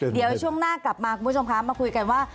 เดี๋ยวช่วงหน้ากลับมาคุณผู้ชมคะมาคุยกันว่า